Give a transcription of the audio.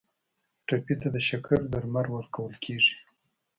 ټپي ته د شکر درمل ورکول کیږي.